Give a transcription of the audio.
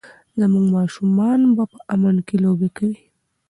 زموږ ماشومان به په امن کې لوبې کوي.